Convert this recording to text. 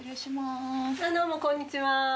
あっどうもこんにちは。